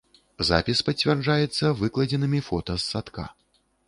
Запіс пацвярджаецца выкладзенымі фота з садка.